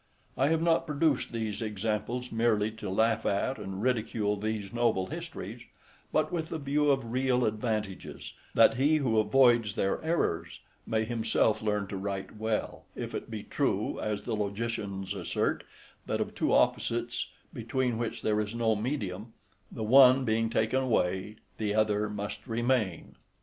I have not produced these examples merely to laugh at and ridicule these noble histories; but with the view of real advantages, that he who avoids their errors, may himself learn to write well if it be true, as the logicians assert, that of two opposites, between which there is no medium, the one being taken away, the other must remain.